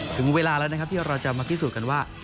ถึงเวลาแล้วนะครับที่เราจะมาพิสูจน์กันว่า